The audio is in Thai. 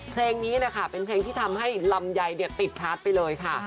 เพลงนี้นะคะเป็นเพลงที่ทำให้ลำไยติดชาร์จไปเลยค่ะ